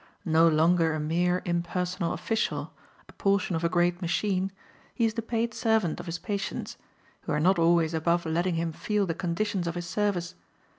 No longer a mere, impersonal official, a portion of a great machine, he is the paid servant of his patients: who are not always above letting him feel the conditions of his service.